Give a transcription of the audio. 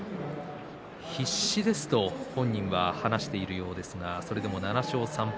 必死ですと本人は話しているようですがそれでも７勝３敗。